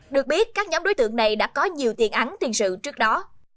được biết các nhóm đối tượng này đã có nhiều tiền án tiền sự trước đó